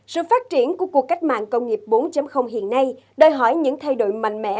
sự phát triển của cuộc cách mạng công nghiệp bốn hiện nay đòi hỏi những thay đổi mạnh mẽ